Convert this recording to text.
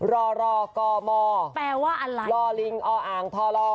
รอรอกอมอรอลิงออางทอลอ